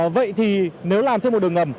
vậy thì nếu làm thêm một đường ngầm